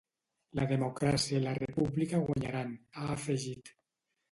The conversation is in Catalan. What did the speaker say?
“La democràcia i la república guanyaran”, ha afegit.